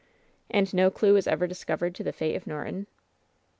'^ "And no clew was ever discovered to the fate of Nor ton?"